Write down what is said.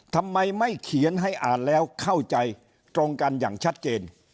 ทำไมไม่เขียนให้อ่านแล้วเข้าใจตรงกันอย่างชัดเจน